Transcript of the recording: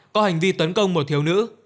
có hành vi tấn công một thiếu nữ